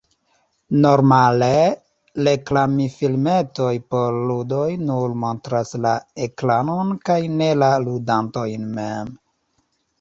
Normale reklamfilmetoj por ludoj nur montras la ekranon kaj ne la ludantojn mem.